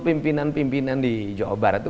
pimpinan pimpinan di jawa barat itu